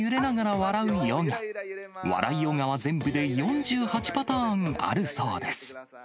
笑いヨガは全部で４８パターンあるそうです。